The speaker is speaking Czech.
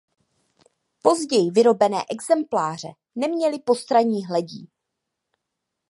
Později vyrobené exempláře neměly postranní hledí.